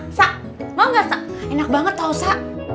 sa sa mau enggak sa enak banget tau sa